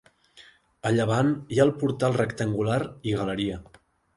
A llevant hi ha el portal rectangular i galeria.